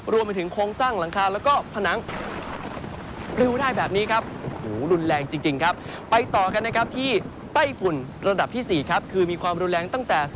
รวมเป็นของสร้างหลังคาและพนัง